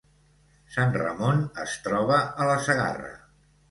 Sant Ramon es troba a la Segarra